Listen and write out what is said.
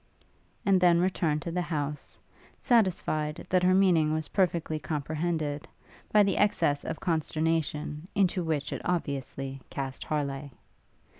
and then returned to the house: satisfied that her meaning was perfectly comprehended, by the excess of consternation into which it obviously cast Harleigh.